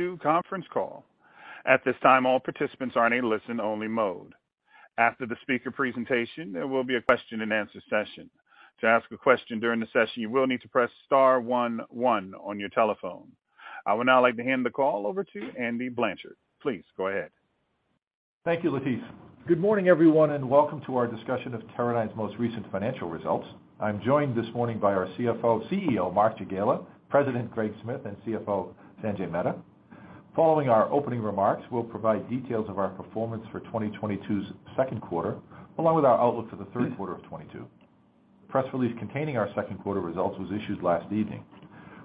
This conference call. At this time, all participants are in a listen-only mode. After the speaker presentation, there will be a question-and-answer session. To ask a question during the session, you will need to press star one one on your telephone. I would now like to hand the call over to Andy Blanchard. Please go ahead. Thank you, Latif. Good morning, everyone, and welcome to our discussion of Teradyne's most recent financial results. I'm joined this morning by our CEO, Mark Jagiela, President Greg Smith, and CFO Sanjay Mehta. Following our opening remarks, we'll provide details of our performance for 2022's second quarter, along with our outlook for the third quarter of 2022. Press release containing our second quarter results was issued last evening.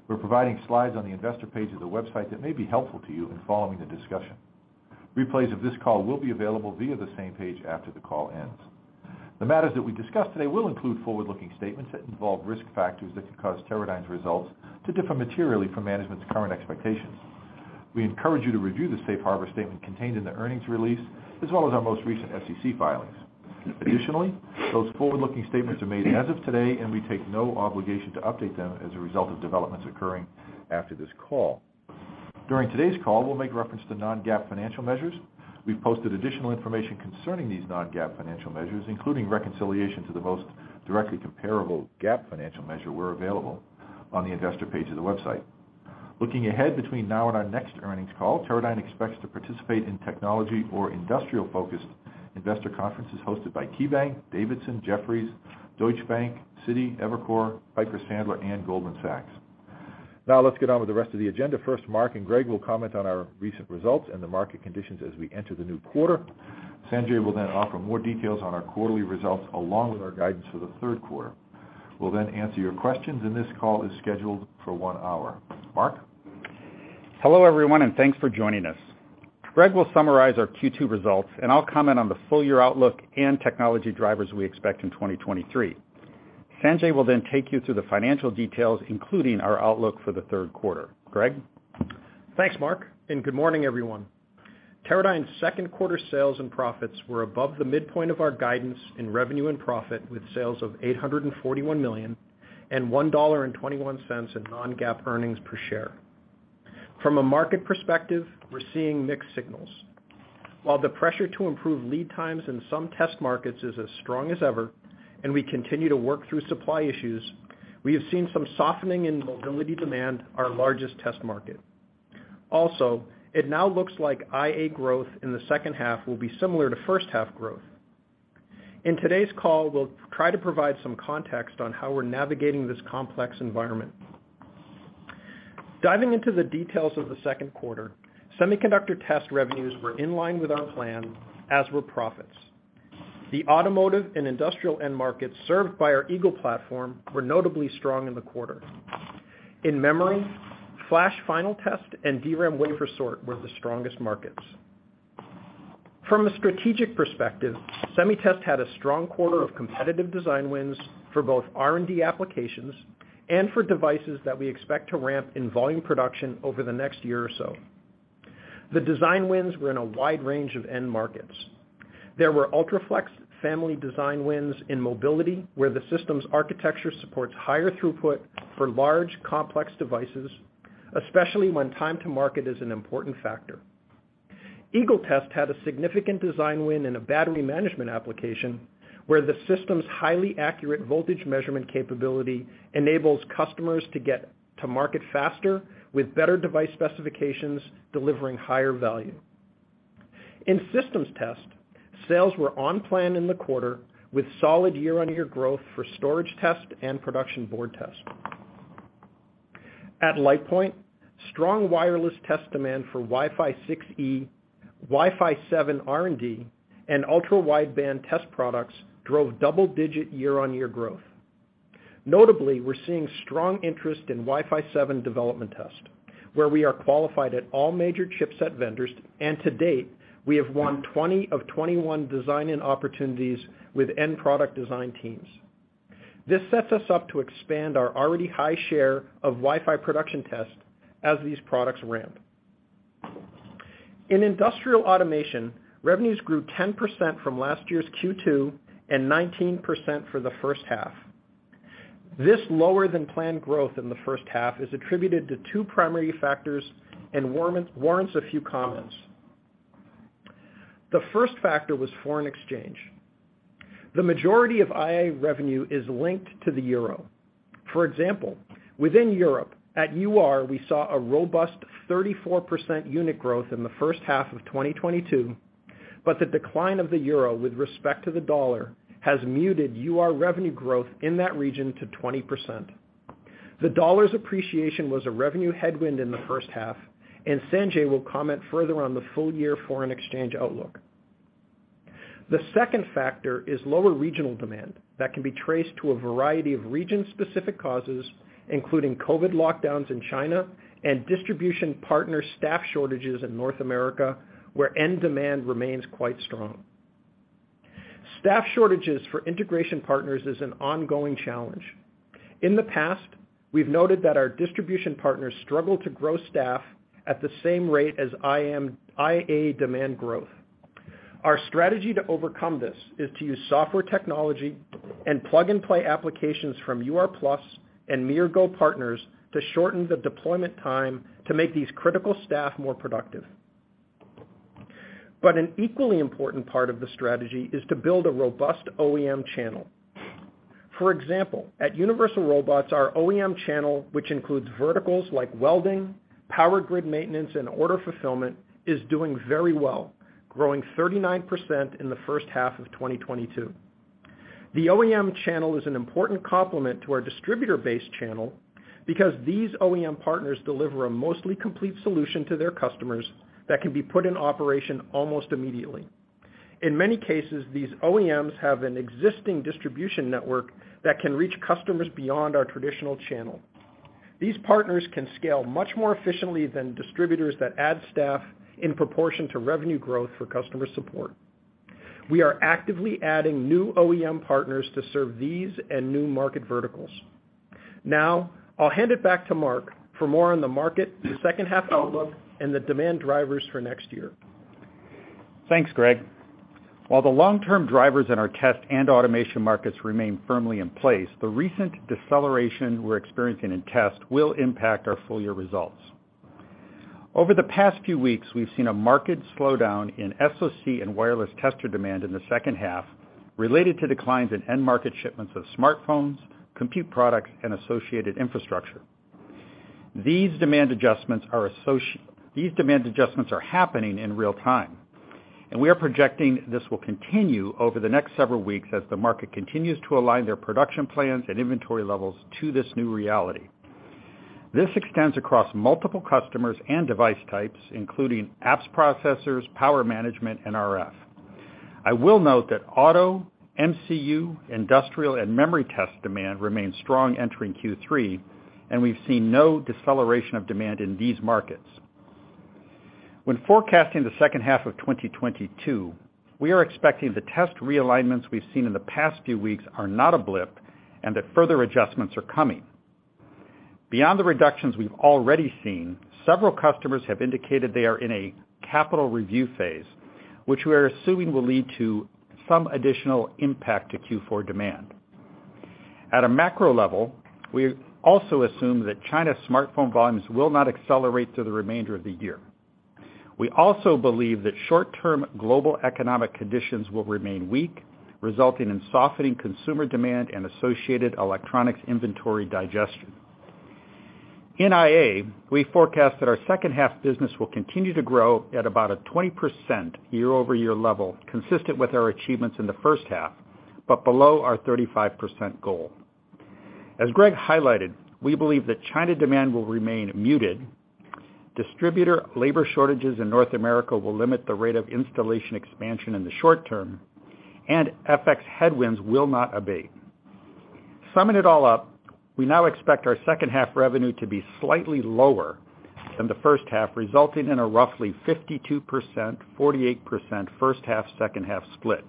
We're providing slides on the investor page of the website that may be helpful to you in following the discussion. Replays of this call will be available via the same page after the call ends. The matters that we discuss today will include forward-looking statements that involve risk factors that could cause Teradyne's results to differ materially from management's current expectations. We encourage you to review the Safe Harbor statement contained in the earnings release, as well as our most recent SEC filings. Additionally, those forward-looking statements are made as of today, and we take no obligation to update them as a result of developments occurring after this call. During today's call, we'll make reference to non-GAAP financial measures. We've posted additional information concerning these non-GAAP financial measures, including reconciliation to the most directly comparable GAAP financial measure where available on the investor page of the website. Looking ahead between now and our next earnings call, Teradyne expects to participate in technology or industrial-focused investor conferences hosted by KeyBanc, D.A. Davidson, Jefferies, Deutsche Bank, Citi, Evercore, Piper Sandler, and Goldman Sachs. Now let's get on with the rest of the agenda. First, Mark and Greg will comment on our recent results and the market conditions as we enter the new quarter. Sanjay will then offer more details on our quarterly results along with our guidance for the third quarter. We'll then answer your questions, and this call is scheduled for one hour. Mark? Hello, everyone, and thanks for joining us. Greg will summarize our Q2 results, and I'll comment on the full year outlook and technology drivers we expect in 2023. Sanjay will then take you through the financial details, including our outlook for the third quarter. Greg? Thanks, Mark, and good morning, everyone. Teradyne's second quarter sales and profits were above the midpoint of our guidance in revenue and profit, with sales of $841 million and $1.21 in non-GAAP earnings per share. From a market perspective, we're seeing mixed signals. While the pressure to improve lead times in some test markets is as strong as ever and we continue to work through supply issues, we have seen some softening in mobility demand, our largest test market. Also, it now looks like IA growth in the second half will be similar to first-half growth. In today's call, we'll try to provide some context on how we're navigating this complex environment. Diving into the details of the second quarter, semiconductor test revenues were in line with our plan, as were profits. The automotive and industrial end markets served by our Eagle platform were notably strong in the quarter. In memory, flash final test and DRAM wafer sort were the strongest markets. From a strategic perspective, Semi Test had a strong quarter of competitive design wins for both R&D applications and for devices that we expect to ramp in volume production over the next year or so. The design wins were in a wide range of end markets. There were UltraFLEX family design wins in mobility, where the system's architecture supports higher throughput for large, complex devices, especially when time to market is an important factor. Eagle test had a significant design win in a battery management application, where the system's highly accurate voltage measurement capability enables customers to get to market faster with better device specifications, delivering higher value. In systems test, sales were on plan in the quarter, with solid year-on-year growth for storage test and production board test. At LitePoint, strong wireless test demand for Wi-Fi 6E, Wi-Fi 7 R&D, and Ultra-Wideband test products drove double-digit year-on-year growth. Notably, we're seeing strong interest in Wi-Fi 7 development test, where we are qualified at all major chipset vendors, and to date, we have won 20 of 21 design-in opportunities with end product design teams. This sets us up to expand our already high share of Wi-Fi production test as these products ramp. In industrial automation, revenues grew 10% from last year's Q2 and 19% for the first half. This lower than planned growth in the first half is attributed to two primary factors and warrants a few comments. The first factor was foreign exchange. The majority of IA revenue is linked to the euro. For example, within Europe, at UR, we saw a robust 34% unit growth in the first half of 2022, but the decline of the euro with respect to the dollar has muted UR revenue growth in that region to 20%. The dollar's appreciation was a revenue headwind in the first half, and Sanjay will comment further on the full year foreign exchange outlook. The second factor is lower regional demand that can be traced to a variety of region-specific causes, including COVID lockdowns in China and distribution partner staff shortages in North America, where end demand remains quite strong. Staff shortages for integration partners is an ongoing challenge. In the past, we've noted that our distribution partners struggle to grow staff at the same rate as IA demand growth. Our strategy to overcome this is to use software technology and plug-and-play applications from UR+ and MiRGo partners to shorten the deployment time to make these critical staff more productive. An equally important part of the strategy is to build a robust OEM channel. For example, at Universal Robots, our OEM channel, which includes verticals like welding, power grid maintenance, and order fulfillment, is doing very well, growing 39% in the first half of 2022. The OEM channel is an important complement to our distributor-based channel because these OEM partners deliver a mostly complete solution to their customers that can be put in operation almost immediately. In many cases, these OEMs have an existing distribution network that can reach customers beyond our traditional channel. These partners can scale much more efficiently than distributors that add staff in proportion to revenue growth for customer support. We are actively adding new OEM partners to serve these and new market verticals. Now, I'll hand it back to Mark for more on the market, the second half outlook, and the demand drivers for next year. Thanks, Greg. While the long-term drivers in our test and automation markets remain firmly in place, the recent deceleration we're experiencing in test will impact our full year results. Over the past few weeks, we've seen a market slowdown in SOC and wireless tester demand in the second half related to declines in end market shipments of smartphones, compute products, and associated infrastructure. These demand adjustments are happening in real time, and we are projecting this will continue over the next several weeks as the market continues to align their production plans and inventory levels to this new reality. This extends across multiple customers and device types, including apps, processors, power management, and RF. I will note that auto, MCU, industrial, and memory test demand remains strong entering Q3, and we've seen no deceleration of demand in these markets. When forecasting the second half of 2022, we are expecting the test realignments we've seen in the past few weeks are not a blip and that further adjustments are coming. Beyond the reductions we've already seen, several customers have indicated they are in a capital review phase, which we're assuming will lead to some additional impact to Q4 demand. At a macro level, we also assume that China smartphone volumes will not accelerate through the remainder of the year. We also believe that short-term global economic conditions will remain weak, resulting in softening consumer demand and associated electronics inventory digestion. In IA, we forecast that our second half business will continue to grow at about a 20% year-over-year level, consistent with our achievements in the first half, but below our 35% goal. As Greg highlighted, we believe that China demand will remain muted, distributor labor shortages in North America will limit the rate of installation expansion in the short term, and FX headwinds will not abate. Summing it all up, we now expect our second half revenue to be slightly lower than the first half, resulting in a roughly 52%, 48% first half, second half split.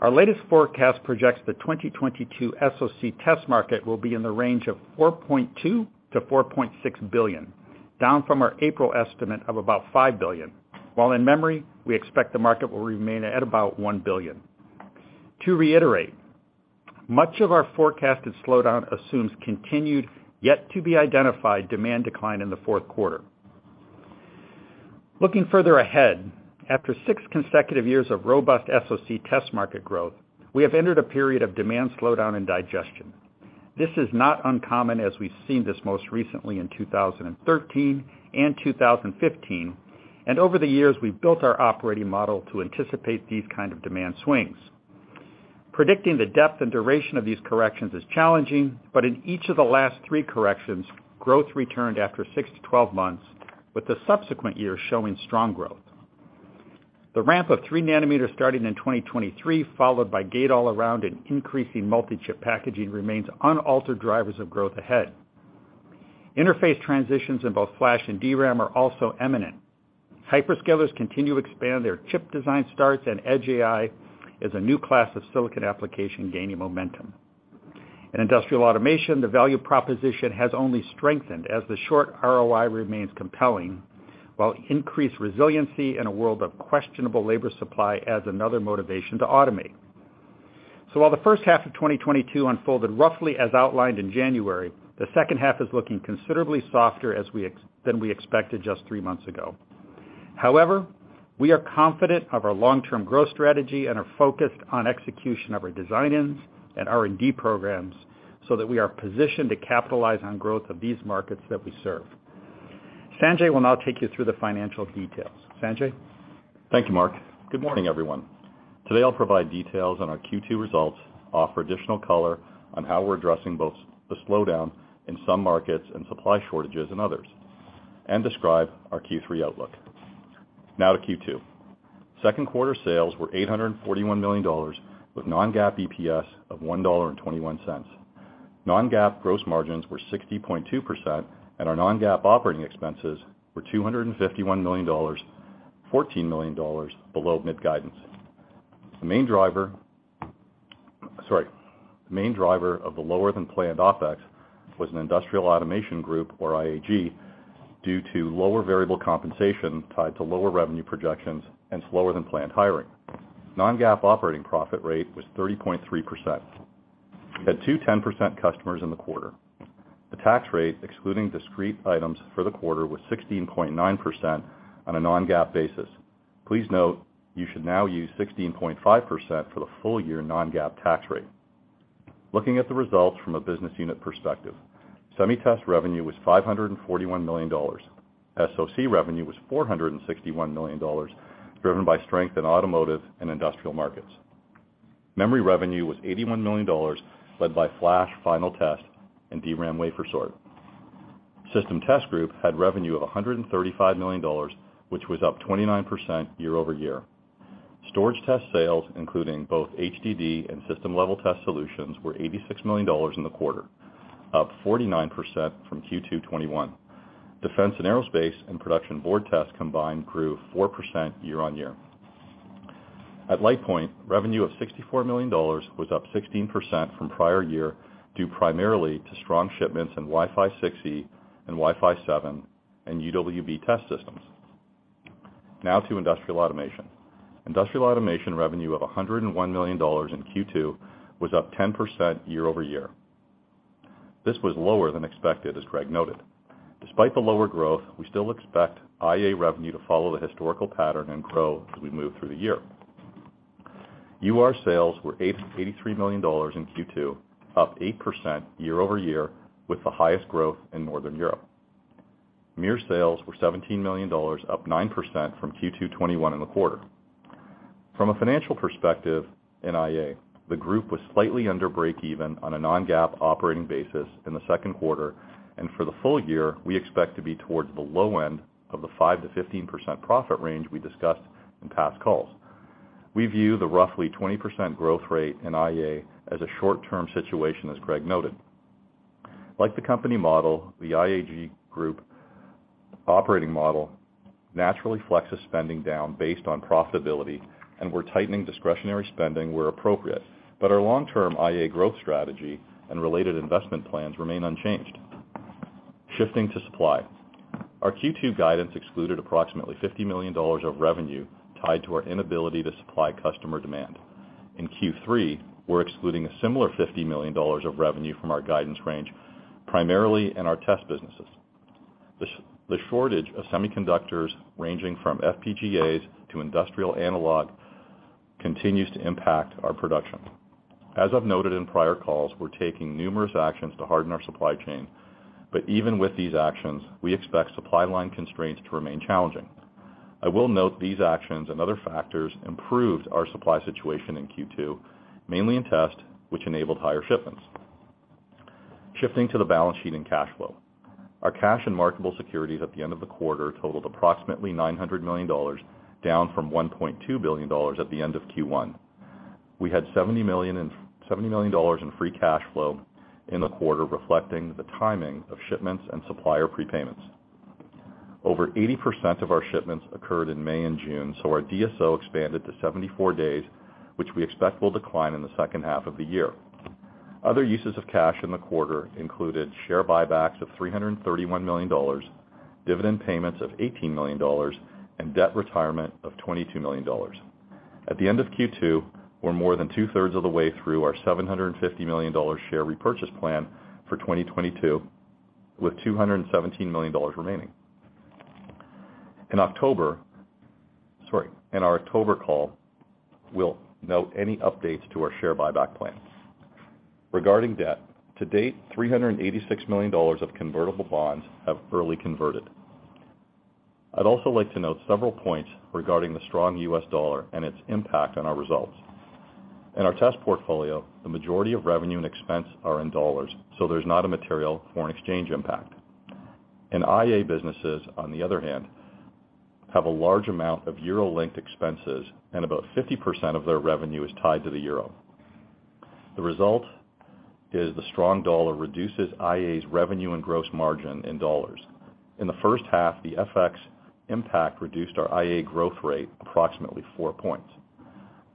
Our latest forecast projects the 2022 SOC test market will be in the range of $4.2 billion-$4.6 billion, down from our April estimate of about $5 billion. While in memory, we expect the market will remain at about $1 billion. To reiterate, much of our forecasted slowdown assumes continued, yet to be identified, demand decline in the fourth quarter. Looking further ahead, after six consecutive years of robust SOC test market growth, we have entered a period of demand slowdown and digestion. This is not uncommon as we've seen this most recently in 2013 and 2015, and over the years, we've built our operating model to anticipate these kind of demand swings. Predicting the depth and duration of these corrections is challenging, but in each of the last three corrections, growth returned after six to 12 months, with the subsequent years showing strong growth. The ramp of 3 nm starting in 2023, followed by Gate-All-Around and increasing multi-chip packaging remains unaltered drivers of growth ahead. Interface transitions in both flash and DRAM are also imminent. Hyperscalers continue to expand their chip design starts, and Edge AI is a new class of silicon application gaining momentum. In industrial automation, the value proposition has only strengthened as the short ROI remains compelling, while increased resiliency in a world of questionable labor supply adds another motivation to automate. While the first half of 2022 unfolded roughly as outlined in January, the second half is looking considerably softer than we expected just three months ago. However, we are confident of our long-term growth strategy and are focused on execution of our design-ins and R&D programs so that we are positioned to capitalize on growth of these markets that we serve. Sanjay will now take you through the financial details. Sanjay. Thank you, Mark. Good morning, everyone. Today, I'll provide details on our Q2 results, offer additional color on how we're addressing both the slowdown in some markets and supply shortages in others, and describe our Q3 outlook. Now to Q2. Second quarter sales were $841 million with non-GAAP EPS of $1.21. Non-GAAP gross margins were 60.2%, and our non-GAAP operating expenses were $251 million, $14 million below mid-guidance. The main driver of the lower than planned OpEx was an industrial automation group or IAG, due to lower variable compensation tied to lower revenue projections and slower than planned hiring. Non-GAAP operating profit rate was 30.3%. We had two 10% customers in the quarter. The tax rate, excluding discrete items for the quarter, was 16.9% on a non-GAAP basis. Please note, you should now use 16.5% for the full year non-GAAP tax rate. Looking at the results from a business unit perspective. Semi Test revenue was $541 million. SOC revenue was $461 million, driven by strength in automotive and industrial markets. Memory revenue was $81 million, led by flash final test and DRAM wafer sort. System Test Group had revenue of $135 million, which was up 29% year-over-year. Storage test sales, including both HDD and system-level test solutions, were $86 million in the quarter, up 49% from Q2 2021. Defense and aerospace and production board tests combined grew 4% year-over-year. At LitePoint, revenue of $64 million was up 16% from prior year, due primarily to strong shipments in Wi-Fi 6E and Wi-Fi 7 and UWB test systems. Now to industrial automation. Industrial automation revenue of $101 million in Q2 was up 10% year-over-year. This was lower than expected, as Greg noted. Despite the lower growth, we still expect IA revenue to follow the historical pattern and grow as we move through the year. UR sales were $83 million in Q2, up 8% year-over-year, with the highest growth in Northern Europe. MiR sales were $17 million, up 9% from Q2 2021 in the quarter. From a financial perspective in IA, the group was slightly under break even on a non-GAAP operating basis in the second quarter, and for the full year, we expect to be towards the low end of the 5%-15% profit range we discussed in past calls. We view the roughly 20% growth rate in IA as a short-term situation, as Greg noted. Like the company model, the IAG group operating model naturally flexes spending down based on profitability, and we're tightening discretionary spending where appropriate. Our long-term IA growth strategy and related investment plans remain unchanged. Shifting to supply. Our Q2 guidance excluded approximately $50 million of revenue tied to our inability to supply customer demand. In Q3, we're excluding a similar $50 million of revenue from our guidance range, primarily in our test businesses. The shortage of semiconductors, ranging from FPGAs to industrial analog, continues to impact our production. As I've noted in prior calls, we're taking numerous actions to harden our supply chain, but even with these actions, we expect supply line constraints to remain challenging. I will note these actions and other factors improved our supply situation in Q2, mainly in test, which enabled higher shipments. Shifting to the balance sheet and cash flow. Our cash and marketable securities at the end of the quarter totaled approximately $900 million, down from $1.2 billion at the end of Q1. We had $70 million in free cash flow in the quarter, reflecting the timing of shipments and supplier prepayments. Over 80% of our shipments occurred in May and June, so our DSO expanded to 74 days, which we expect will decline in the second half of the year. Other uses of cash in the quarter included share buybacks of $331 million, dividend payments of $18 million, and debt retirement of $22 million. At the end of Q2, we're more 2/3 of the way through our $750 million share repurchase plan for 2022, with $217 million remaining. In our October call, we'll note any updates to our share buyback plans. Regarding debt, to date, $386 million of convertible bonds have early converted. I'd also like to note several points regarding the strong U.S. dollar and its impact on our results. In our test portfolio, the majority of revenue and expense are in dollars, so there's not a material foreign exchange impact. In IA businesses, on the other hand, have a large amount of euro-linked expenses, and about 50% of their revenue is tied to the euro. The result is the strong dollar reduces IA's revenue and gross margin in dollars. In the first half, the FX impact reduced our IA growth rate approximately 4 points.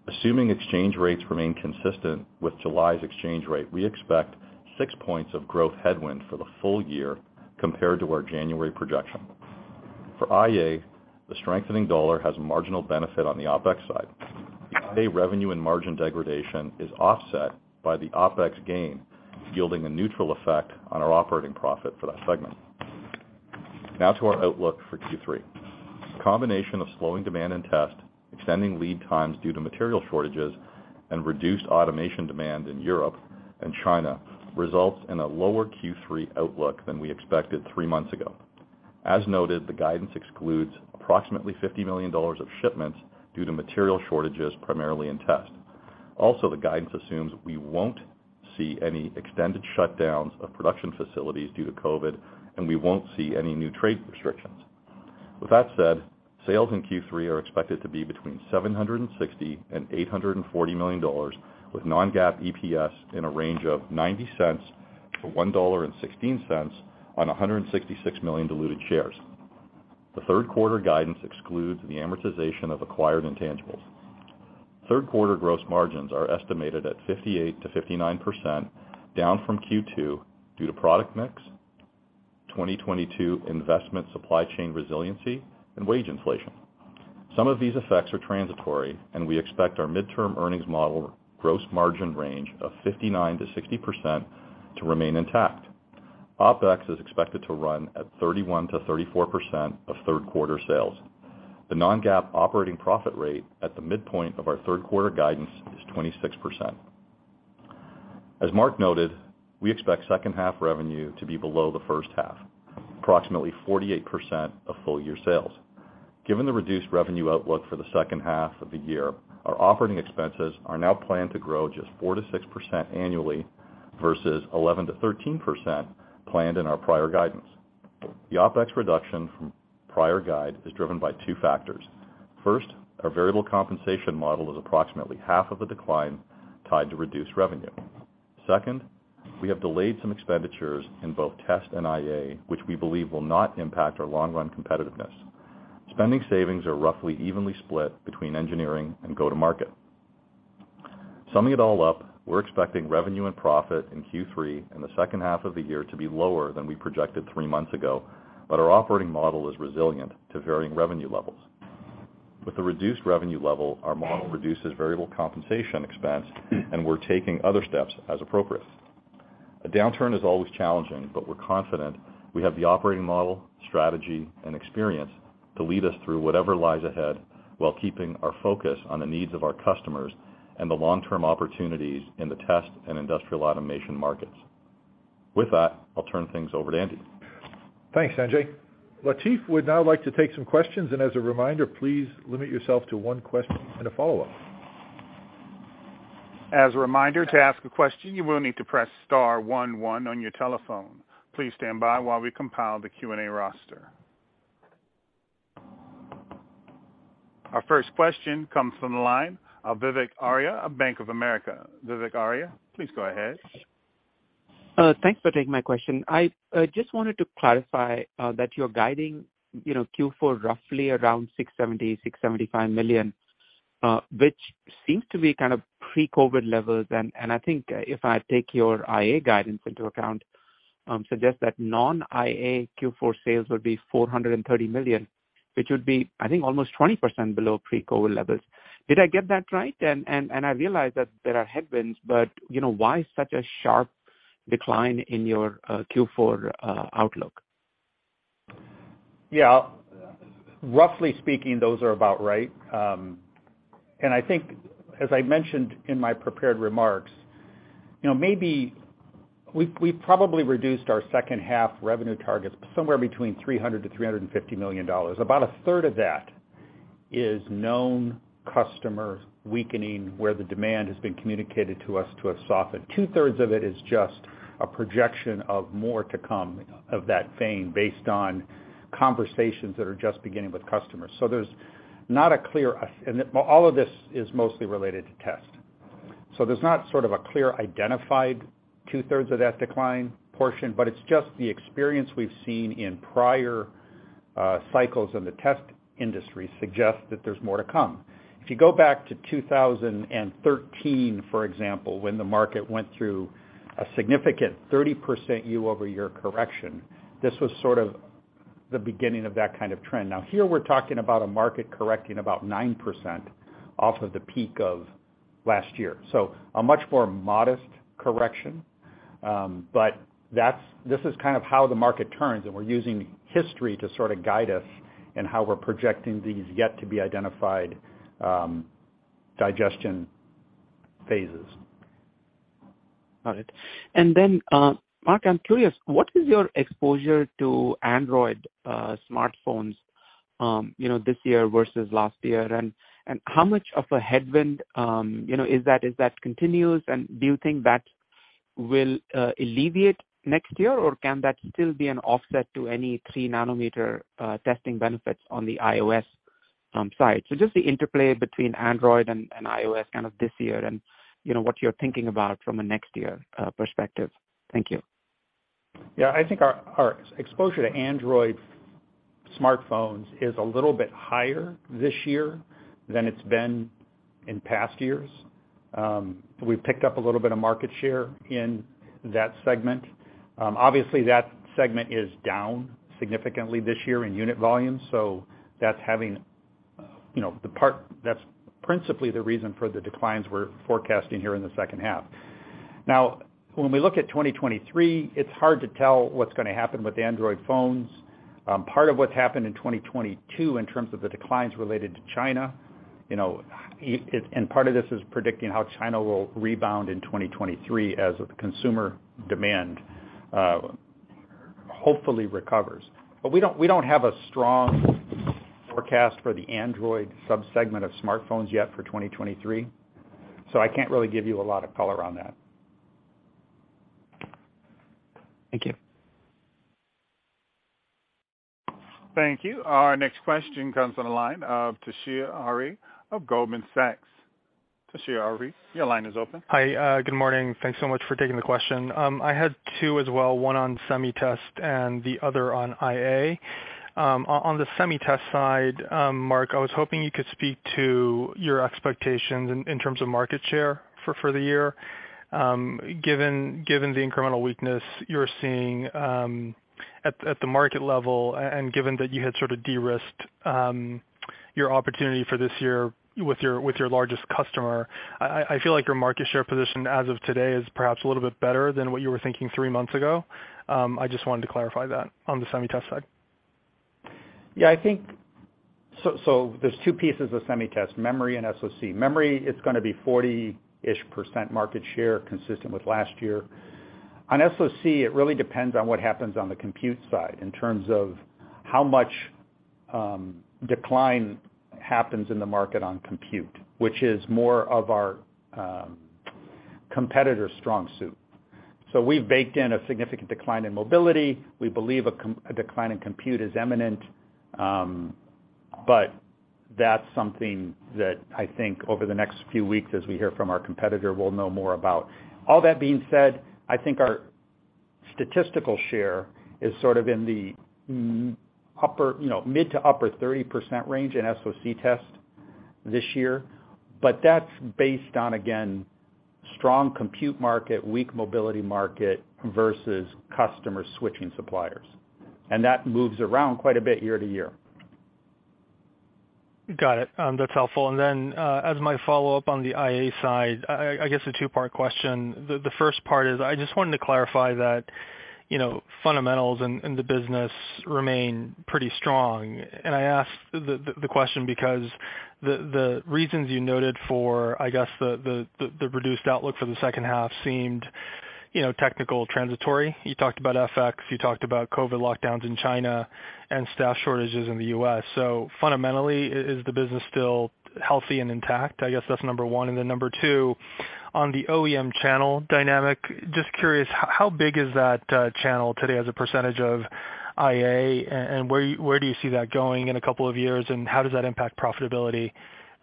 Assuming exchange rates remain consistent with July's exchange rate, we expect 6 points of growth headwind for the full year compared to our January projection. For IA, the strengthening dollar has a marginal benefit on the OpEx side. The IA revenue and margin degradation is offset by the OpEx gain, yielding a neutral effect on our operating profit for that segment. Now to our outlook for Q3. A combination of slowing demand and test, extending lead times due to material shortages, and reduced automation demand in Europe and China results in a lower Q3 outlook than we expected three months ago. As noted, the guidance excludes approximately $50 million of shipments due to material shortages, primarily in test. Also, the guidance assumes we won't see any extended shutdowns of production facilities due to COVID, and we won't see any new trade restrictions. With that said, sales in Q3 are expected to be between $760 million and $840 million, with non-GAAP EPS in a range of $0.90-$1.16 on 166 million diluted shares. The third quarter guidance excludes the amortization of acquired intangibles. Third quarter gross margins are estimated at 58%-59%, down from Q2 due to product mix, 2022 investment supply chain resiliency and wage inflation. Some of these effects are transitory, and we expect our midterm earnings model gross margin range of 59%-60% to remain intact. OpEx is expected to run at 31%-34% of third quarter sales. The non-GAAP operating profit rate at the midpoint of our third quarter guidance is 26%. As Mark noted, we expect second half revenue to be below the first half, approximately 48% of full year sales. Given the reduced revenue outlook for the second half of the year, our operating expenses are now planned to grow just 4%-6% annually versus 11%-13% planned in our prior guidance. The OpEx reduction from prior guide is driven by two factors. First, our variable compensation model is approximately half of the decline tied to reduced revenue. Second, we have delayed some expenditures in both Test and IA, which we believe will not impact our long run competitiveness. Spending savings are roughly evenly split between engineering and go-to-market. Summing it all up, we're expecting revenue and profit in Q3 in the second half of the year to be lower than we projected three months ago, but our operating model is resilient to varying revenue levels. With the reduced revenue level, our model reduces variable compensation expense, and we're taking other steps as appropriate. A downturn is always challenging, but we're confident we have the operating model, strategy, and experience to lead us through whatever lies ahead while keeping our focus on the needs of our customers and the long-term opportunities in the test and industrial automation markets. With that, I'll turn things over to Andy. Thanks, Sanjay. Latif would now like to take some questions, and as a reminder, please limit yourself to one question and a follow-up. As a reminder, to ask a question, you will need to press star one one on your telephone. Please stand by while we compile the Q&A roster. Our first question comes from the line of Vivek Arya of Bank of America. Vivek Arya, please go ahead. Thanks for taking my question. I just wanted to clarify that you're guiding, you know, Q4 roughly around $670 million-$675 million, which seems to be kind of pre-COVID levels. I think if I take your IA guidance into account, it suggests that non-IA Q4 sales would be $430 million, which would be, I think, almost 20% below pre-COVID levels. Did I get that right? I realize that there are headwinds, but, you know, why such a sharp decline in your Q4 outlook? Yeah. Roughly speaking, those are about right. I think as I mentioned in my prepared remarks, you know, maybe we've probably reduced our second half revenue targets somewhere between $300 million-$350 million. About a third of that is known customer weakening, where the demand has been communicated to us to have softened. 2/3 of it is just a projection of more to come, in that vein based on conversations that are just beginning with customers. All of this is mostly related to Test. There's not sort of a clear identified 2/3 of that decline portion, but it's just the experience we've seen in prior cycles in the test industry suggests that there's more to come. If you go back to 2013, for example, when the market went through a significant 30% year-over-year correction, this was sort of the beginning of that kind of trend. Now here we're talking about a market correcting about 9% off of the peak of last year. A much more modest correction. But that's. This is kind of how the market turns, and we're using history to sort of guide us in how we're projecting these yet to be identified digestion phases. Got it. Then, Mark, I'm curious, what is your exposure to Android smartphones, you know, this year versus last year? How much of a headwind, you know, is that, as that continues? Do you think that will alleviate next year, or can that still be an offset to any 3 nm testing benefits on the iOS side? Just the interplay between Android and iOS kind of this year and, you know, what you're thinking about from a next year perspective. Thank you. Yeah. I think our exposure to Android smartphones is a little bit higher this year than it's been in past years. We've picked up a little bit of market share in that segment. Obviously that segment is down significantly this year in unit volume, so that's principally the reason for the declines we're forecasting here in the second half. Now when we look at 2023, it's hard to tell what's gonna happen with Android phones. Part of what's happened in 2022 in terms of the declines related to China, you know, and part of this is predicting how China will rebound in 2023 as the consumer demand hopefully recovers. We don't have a strong forecast for the Android subsegment of smartphones yet for 2023, so I can't really give you a lot of color on that. Thank you. Thank you. Our next question comes on the line of Toshiya Hari of Goldman Sachs. Toshiya Hari, your line is open. Hi, good morning. Thanks so much for taking the question. I had two as well, one on Semi Test and the other on IA. On the Semi Test side, Mark, I was hoping you could speak to your expectations in terms of market share for the year, given the incremental weakness you're seeing at the market level, and given that you had sort of de-risked your opportunity for this year with your largest customer. I feel like your market share position as of today is perhaps a little bit better than what you were thinking three months ago. I just wanted to clarify that on the Semi Test side. I think there are two pieces of Semi Test, memory and SoC. Memory, it's gonna be 40-ish% market share consistent with last year. On SoC, it really depends on what happens on the compute side in terms of how much decline happens in the market on compute, which is more of our competitor's strong suit. We've baked in a significant decline in mobility. We believe a decline in compute is imminent. That's something that I think over the next few weeks, as we hear from our competitor, we'll know more about. All that being said, I think our statistical share is sort of in the upper mid- to upper-30% range in SoC test this year. That's based on, again, strong compute market, weak mobility market versus customer switching suppliers. That moves around quite a bit year-to-year. Got it. That's helpful. As my follow-up on the IA side, I guess a two-part question. The first part is I just wanted to clarify that, you know, fundamentals in the business remain pretty strong. I ask the question because the reasons you noted for, I guess the reduced outlook for the second half seemed, you know, technically transitory. You talked about FX, you talked about COVID lockdowns in China and staff shortages in the U.S. Fundamentally, is the business still healthy and intact? I guess that's number one. Number two, on the OEM channel dynamic, just curious, how big is that channel today as a percentage of IA, and where do you see that going in a couple of years? How does that impact profitability,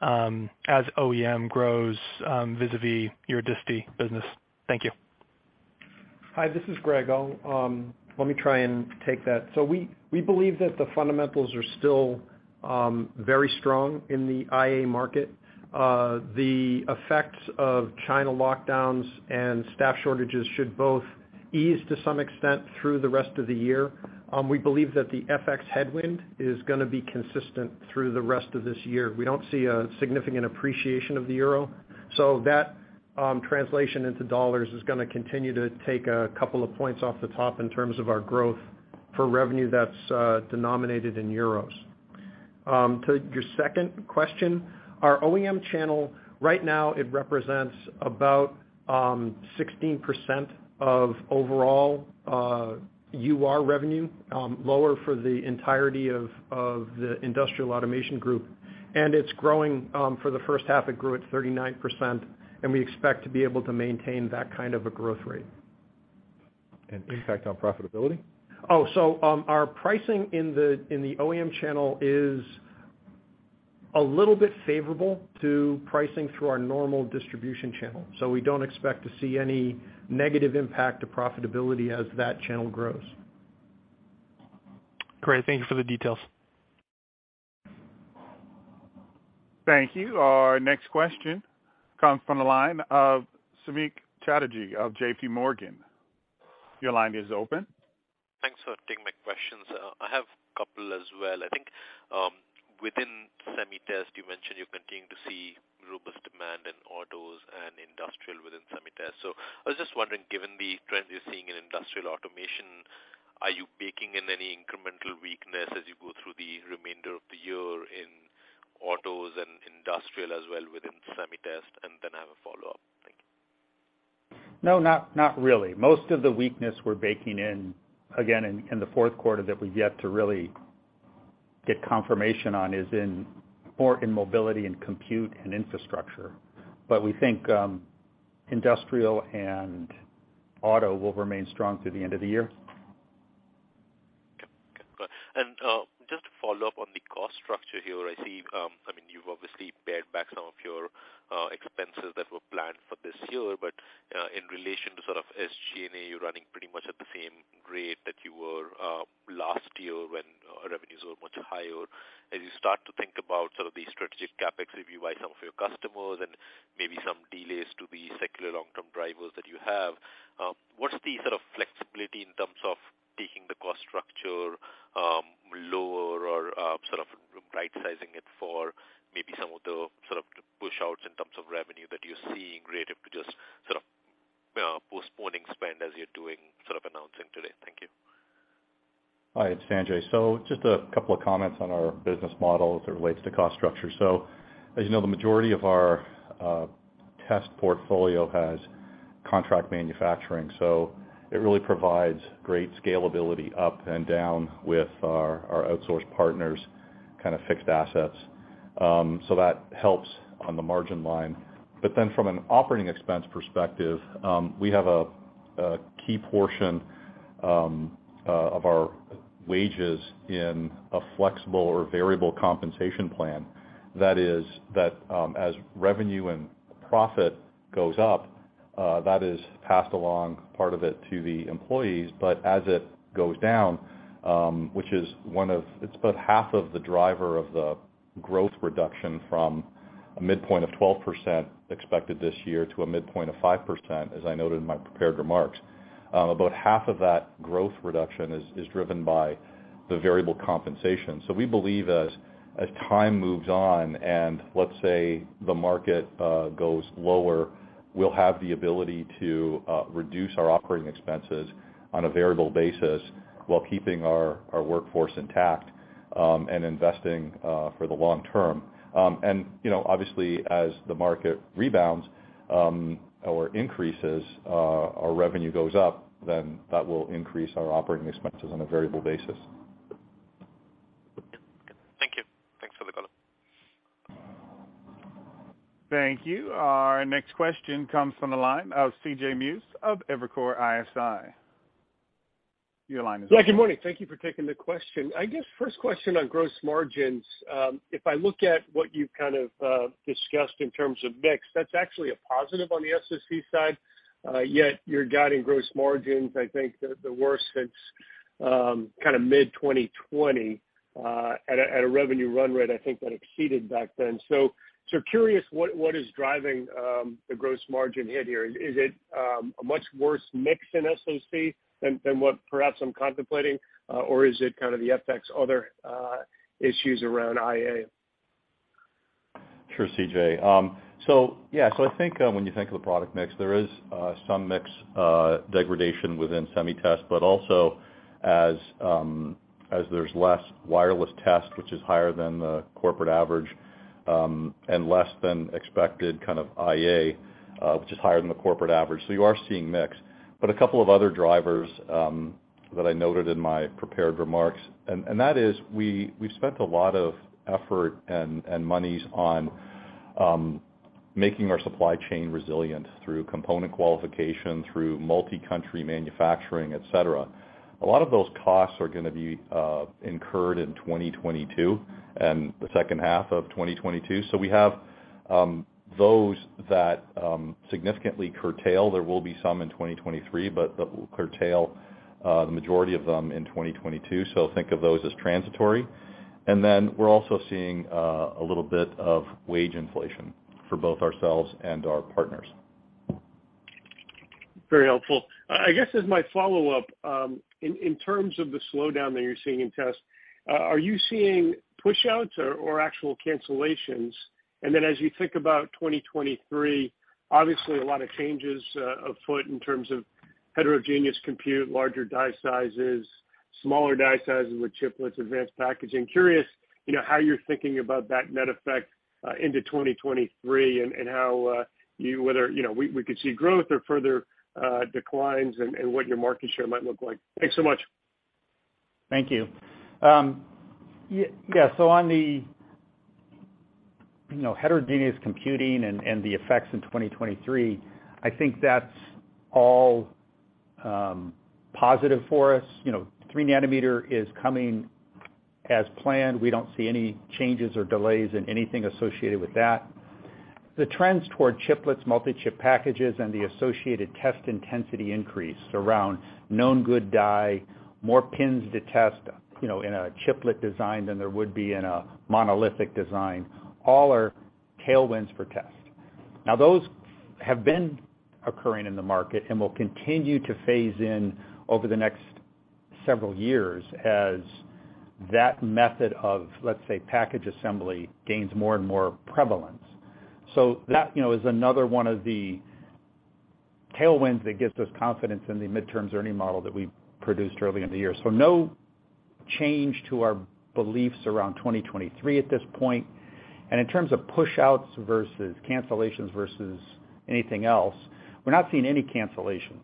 as OEM grows, vis-a-vis your disti business? Thank you. Hi, this is Greg. Let me try and take that. We believe that the fundamentals are still very strong in the IA market. The effects of China lockdowns and staff shortages should both ease to some extent through the rest of the year. We believe that the FX headwind is gonna be consistent through the rest of this year. We don't see a significant appreciation of the euro, so that translation into dollars is gonna continue to take a couple of points off the top in terms of our growth for revenue that's denominated in euros. To your second question, our OEM channel right now it represents about 16% of overall UR revenue, lower for the entirety of the Industrial Automation group. It's growing, for the first half it grew at 39%, and we expect to be able to maintain that kind of a growth rate. Impact on profitability? Our pricing in the OEM channel is a little bit favorable to pricing through our normal distribution channel, so we don't expect to see any negative impact to profitability as that channel grows. Great. Thank you for the details. Thank you. Our next question comes from the line of Samik Chatterjee of JPMorgan. Your line is open. Thanks for taking my questions. I have a couple as well. I think, within Semi Test, you mentioned you're continuing to see robust demand in autos and industrial within Semi Test. I was just wondering, given the trends you're seeing in industrial automation, are you baking in any incremental weakness as you go through the remainder of the year in autos and industrial as well within Semi Test? I have a follow-up. Thank you. No, not really. Most of the weakness we're baking in, again, in the fourth quarter that we've yet to really get confirmation on is more in mobility and compute and infrastructure. We think industrial and auto will remain strong through the end of the year. Okay. Just to follow-up on the cost structure here. I see, I mean, you've obviously pared back some of your expenses that were planned for this year. In relation to sort of SG&A, you're running pretty much at the same rate that you were last year when revenues were much higher. As you start to think about sort of the strategic CapEx review by some of your customers and maybe some delays to the secular long-term drivers that you have, what is the sort of flexibility in terms of taking the cost structure lower or sort of right sizing it for maybe some of the sort of push outs in terms of revenue that you're seeing relative to just sort of postponing spend as you're doing, sort of announcing today? Thank you. Hi, it's Sanjay. Just a couple of comments on our business model as it relates to cost structure. As you know, the majority of our test portfolio has contract manufacturing, so it really provides great scalability up and down with our outsource partners' kind of fixed assets. That helps on the margin line. From an operating expense perspective, we have a key portion of our wages in a flexible or variable compensation plan, that is, as revenue and profit goes up, that is passed along part of it to the employees. As it goes down, which is one of. It's about half of the driver of the growth reduction from a midpoint of 12% expected this year to a midpoint of 5%, as I noted in my prepared remarks. About half of that growth reduction is driven by the variable compensation. We believe as time moves on and, let's say, the market goes lower, we'll have the ability to reduce our operating expenses on a variable basis while keeping our workforce intact, and investing for the long term. You know, obviously, as the market rebounds, or increases, our revenue goes up, then that will increase our operating expenses on a variable basis. Thank you. Thanks for the color. Thank you. Our next question comes from the line of C.J. Muse of Evercore ISI. Your line is open. Yeah, good morning. Thank you for taking the question. I guess first question on gross margins. If I look at what you've kind of discussed in terms of mix, that's actually a positive on the SoC side. Yet you're guiding gross margins, I think the worst since kind of mid-2020, at a revenue run rate I think that exceeded back then. Curious, what is driving the gross margin hit here? Is it a much worse mix in SoC than what perhaps I'm contemplating? Or is it kind of the FX other issues around IA? Sure, C.J. I think when you think of the product mix, there is some mix degradation within Semiconductor Test, but also as there's less wireless test, which is higher than the corporate average, and less than expected kind of IA, which is higher than the corporate average. You are seeing mix. A couple of other drivers that I noted in my prepared remarks, and that is we've spent a lot of effort and monies on making our supply chain resilient through component qualification, through multi-country manufacturing, et cetera. A lot of those costs are gonna be incurred in 2022 and the second half of 2022. We have those that significantly curtail. There will be some in 2023, but we'll curtail the majority of them in 2022, so think of those as transitory. Then we're also seeing a little bit of wage inflation for both ourselves and our partners. Very helpful. I guess as my follow-up, in terms of the slowdown that you're seeing in test, are you seeing pushouts or actual cancellations? Then as you think about 2023, obviously a lot of changes afoot in terms of heterogeneous compute, larger die sizes, smaller die sizes with chiplets, advanced packaging. Curious, you know, how you're thinking about that net effect into 2023 and how whether you know we could see growth or further declines and what your market share might look like. Thanks so much. Thank you. Yes. On the, you know, heterogeneous computing and the effects in 2023, I think that's all positive for us. You know, 3 nm is coming as planned. We don't see any changes or delays in anything associated with that. The trends toward chiplets, multi-chip packages, and the associated test intensity increase around Known Good Die, more pins to test, you know, in a chiplet design than there would be in a monolithic design, all are tailwinds for test. Now, those have been occurring in the market and will continue to phase in over the next several years as that method of, let's say, package assembly gains more and more prevalence. That, you know, is another one of the tailwinds that gives us confidence in the mid-term earnings model that we produced early in the year. No change to our beliefs around 2023 at this point. In terms of pushouts versus cancellations versus anything else, we're not seeing any cancellations.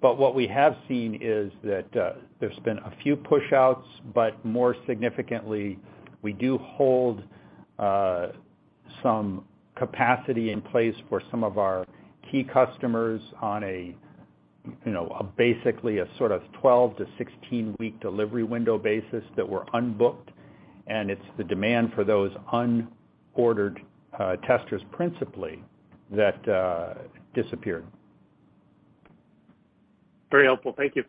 What we have seen is that, there's been a few pushouts, but more significantly, we do hold some capacity in place for some of our key customers on a, you know, a basically a sort of 12-16-week delivery window basis that were unbooked, and it's the demand for those unordered testers principally that disappeared. Very helpful. Thank you.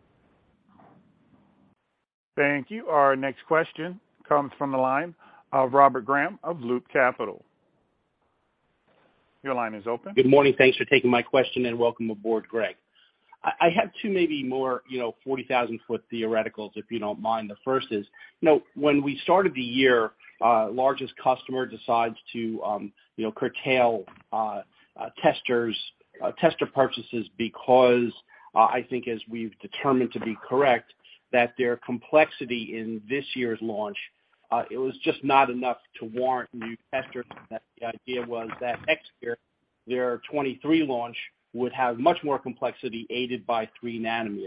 Thank you. Our next question comes from the line of Robert Graham of Loop Capital. Your line is open. Good morning. Thanks for taking my question, and welcome aboard, Greg. I have two, maybe more, you know, 40,000 ft theoreticals, if you don't mind. The first is, you know, when we started the year, largest customer decides to curtail tester purchases because I think as we've determined to be correct, that their complexity in this year's launch was just not enough to warrant new testers. The idea was that next year, their 2023 launch would have much more complexity aided by 3 nm.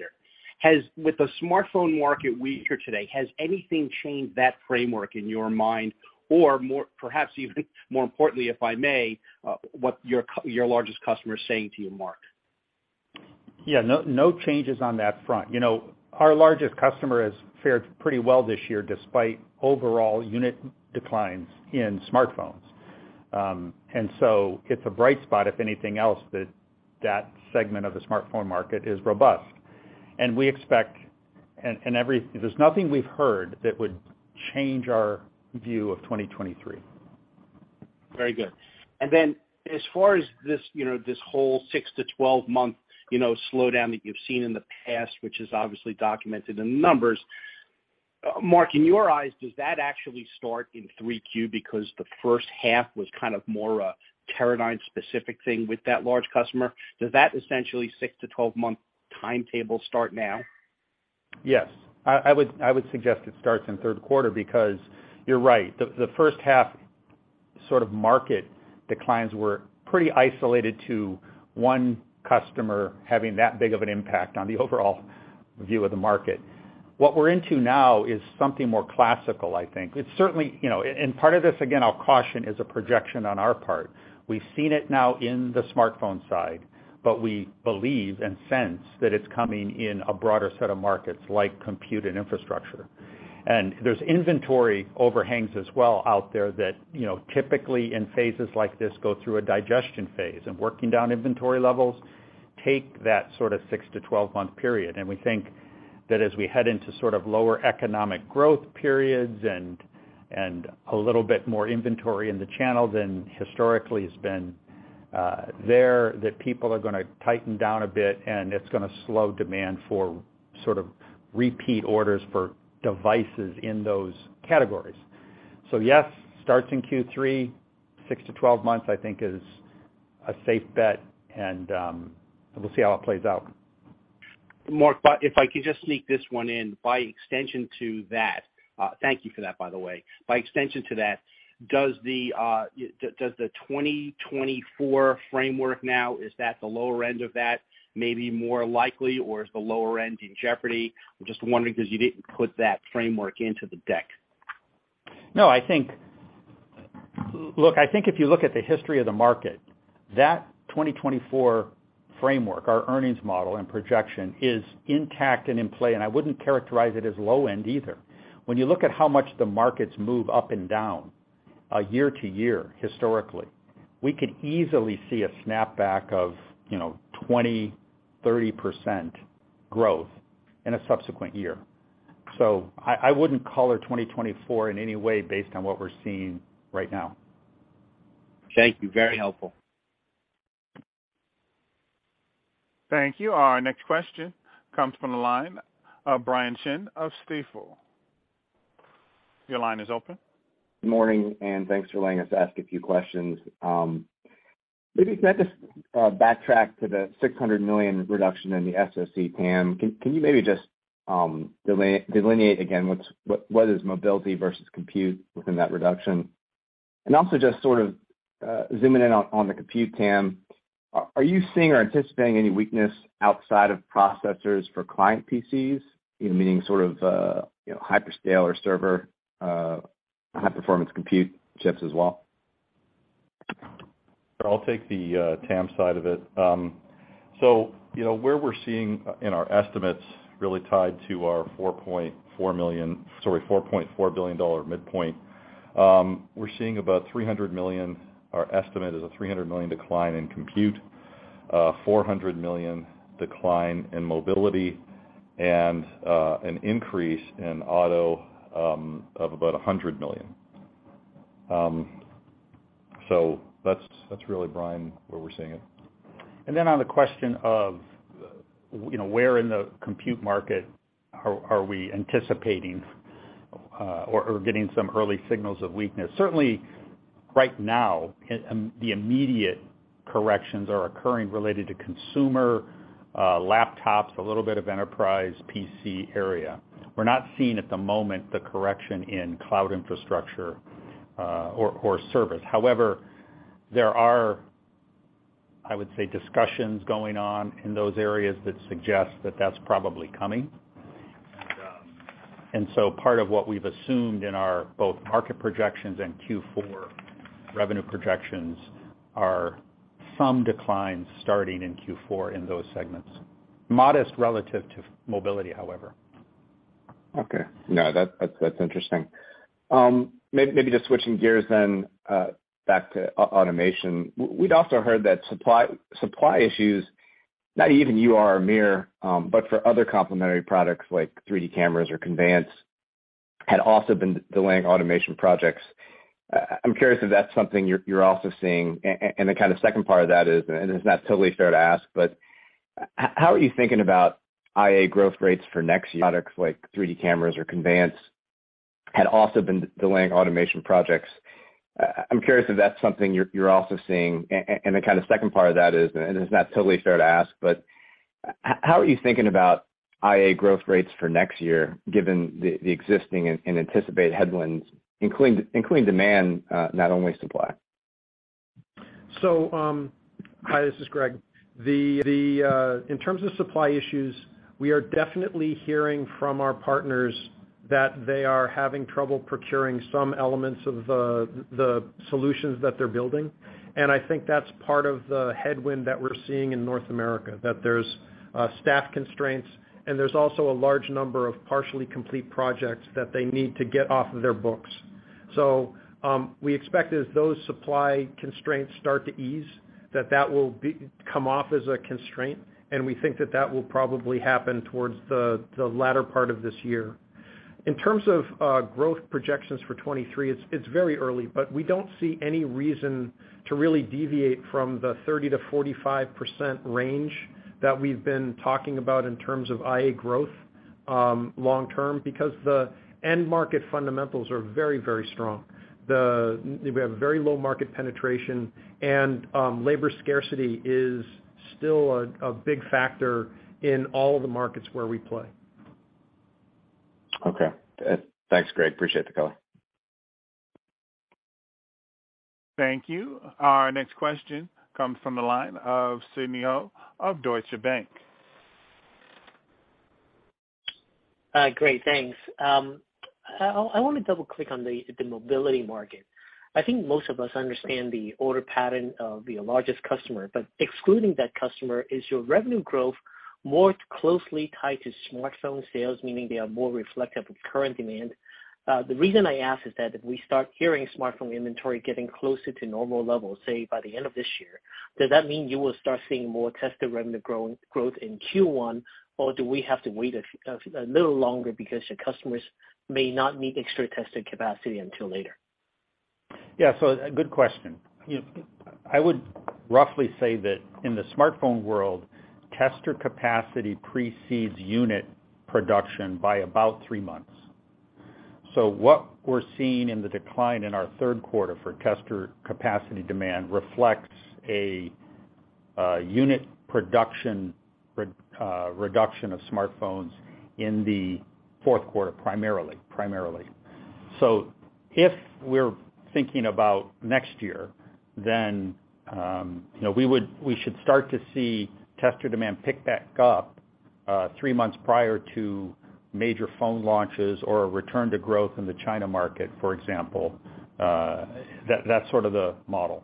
With the smartphone market weaker today, has anything changed that framework in your mind? Or more, perhaps even more importantly, if I may, what your largest customer is saying to you, Mark? Yeah, no changes on that front. You know, our largest customer has fared pretty well this year despite overall unit declines in smartphones. It's a bright spot, if anything else, that segment of the smartphone market is robust. There's nothing we've heard that would change our view of 2023. Very good. Then as far as this, you know, this whole six to 12 month, you know, slowdown that you've seen in the past, which is obviously documented in the numbers, Mark, in your eyes, does that actually start in 3Q because the first half was kind of more a Teradyne specific thing with that large customer? Does that essentially six to 12 month timetable start now? Yes. I would suggest it starts in third quarter because you're right. The first half sort of market declines were pretty isolated to one customer having that big of an impact on the overall view of the market. What we're into now is something more classical, I think. It's certainly, you know, and part of this, again, I'll caution, is a projection on our part. We've seen it now in the smartphone side, but we believe and sense that it's coming in a broader set of markets like compute and infrastructure. There's inventory overhangs as well out there that, you know, typically in phases like this go through a digestion phase, and working down inventory levels take that sort of six to 12 month period. We think that as we head into sort of lower economic growth periods and a little bit more inventory in the channel than historically has been there, that people are gonna tighten down a bit, and it's gonna slow demand for sort of repeat orders for devices in those categories. Yes, starts in Q3. Six to 12 months I think is a safe bet, and we'll see how it plays out. Mark, if I could just sneak this one in, by extension to that, thank you for that, by the way. By extension to that, does the 2024 framework now, is that the lower end of that maybe more likely, or is the lower end in jeopardy? I'm just wondering 'cause you didn't put that framework into the deck. No, I think. Look, I think if you look at the history of the market, that 2024 framework, our earnings model and projection is intact and in play, and I wouldn't characterize it as low end either. When you look at how much the markets move up and down year-to-year historically, we could easily see a snapback of, you know, 20, 30% growth in a subsequent year. I wouldn't color 2024 in any way based on what we're seeing right now. Thank you. Very helpful. Thank you. Our next question comes from the line of Brian Chin of Stifel. Your line is open. Good morning, thanks for letting us ask a few questions. Maybe can I just backtrack to the $600 million reduction in the SoC TAM? Can you maybe just delineate again what is mobility versus compute within that reduction? Also just sort of zooming in on the compute TAM, are you seeing or anticipating any weakness outside of processors for client PCs, you know, meaning sort of you know hyperscale or server high-performance compute chips as well? I'll take the TAM side of it. You know, where we're seeing, in our estimates, really tied to our $4.4 billion midpoint, we're seeing about $300 million, our estimate is a $300 million decline in compute, $400 million decline in mobility, and an increase in auto of about $100 million. That's really, Brian, where we're seeing it. Then on the question of, you know, where in the compute market are we anticipating or getting some early signals of weakness. Certainly right now, the immediate corrections are occurring related to consumer laptops, a little bit of enterprise PC area. We're not seeing at the moment the correction in cloud infrastructure or service. However, there are, I would say, discussions going on in those areas that suggest that that's probably coming. Part of what we've assumed in our both market projections and Q4 revenue projections are some declines starting in Q4 in those segments. Modest relative to mobility, however. Okay. No, that's interesting. Maybe just switching gears then, back to automation. We'd also heard that supply issues, not even UR or MiR, but for other complementary products like 3D cameras or conveyance, had also been delaying automation projects. I'm curious if that's something you're also seeing. The kind of second part of that is, and it's not totally fair to ask, but how are you thinking about IA growth rates for next year given the existing and anticipated headwinds, including demand, not only supply? Hi, this is Greg. In terms of supply issues, we are definitely hearing from our partners that they are having trouble procuring some elements of the solutions that they're building. I think that's part of the headwind that we're seeing in North America, that there's staff constraints, and there's also a large number of partially complete projects that they need to get off of their books. We expect as those supply constraints start to ease, that will come off as a constraint, and we think that will probably happen towards the latter part of this year. In terms of growth projections for 2023, it's very early, but we don't see any reason to really deviate from the 30%-45% range that we've been talking about in terms of IA growth, long term, because the end market fundamentals are very, very strong. We have very low market penetration, and labor scarcity is still a big factor in all of the markets where we play. Okay. Thanks, Greg. Appreciate the color. Thank you. Our next question comes from the line of Sidney Ho of Deutsche Bank. Great, thanks. I wanna double click on the mobility market. I think most of us understand the order pattern of your largest customer, but excluding that customer, is your revenue growth more closely tied to smartphone sales, meaning they are more reflective of current demand? The reason I ask is that if we start hearing smartphone inventory getting closer to normal levels, say by the end of this year, does that mean you will start seeing more tester revenue growth in Q1, or do we have to wait a little longer because your customers may not need extra tester capacity until later? Yeah. A good question. You, I would roughly say that in the smartphone world, tester capacity precedes unit production by about three months. What we're seeing in the decline in our third quarter for tester capacity demand reflects a unit production reduction of smartphones in the fourth quarter, primarily. If we're thinking about next year, then, you know, we should start to see tester demand pick back up three months prior to major phone launches or a return to growth in the China market, for example, that's sort of the model.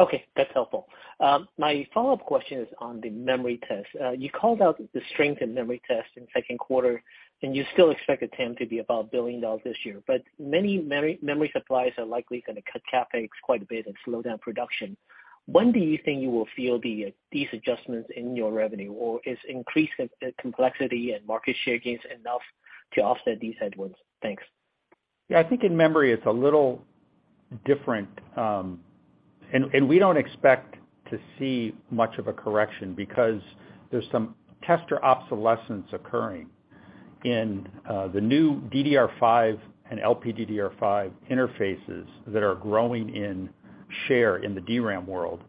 Okay, that's helpful. My follow-up question is on the memory test. You called out the strength in memory test in second quarter, and you still expect the TAM to be about $1 billion this year. Many memory suppliers are likely gonna cut CapEx quite a bit and slow down production. When do you think you will feel these adjustments in your revenue, or is increased complexity and market share gains enough to offset these headwinds? Thanks. Yeah. I think in memory it's a little different, and we don't expect to see much of a correction because there's some tester obsolescence occurring in the new DDR5 and LPDDR5 interfaces that are growing in share in the DRAM world